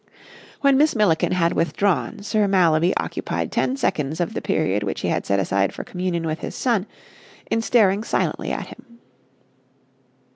When Miss Milliken had withdrawn Sir Mallaby occupied ten seconds of the period which he had set aside for communion with his son in staring silently at him.